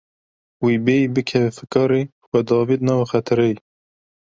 Wî bêyî bikeve fikarê xwe diavêt nava xetereyê.